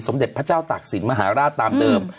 เด็จพระเจ้าตากศิลปมหาราชตามเดิม